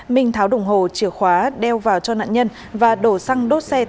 minh tháo đồng hồ chìa khóa đeo vào cho nạn nhân và đổ xăng đốt xe